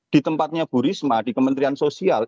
di tempatnya bu risma di kementerian sosial